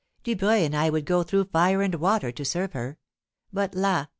Dubreuil and I would go through fire and water to serve her: but, la!